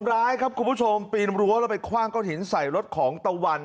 ร้ายครับคุณผู้ชมปีนรั้วแล้วไปคว่างก้อนหินใส่รถของตะวัน